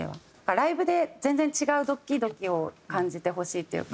ライブで全然違うドキドキを感じてほしいというか。